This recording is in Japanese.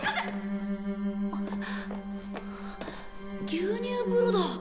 牛乳風呂だ。